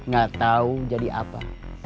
gak tau jadi apa